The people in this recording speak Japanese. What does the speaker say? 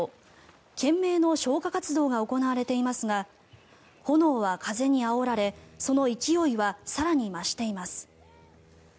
懸命の消火活動が行われていますが炎は風にあおられその勢いは更に増しています。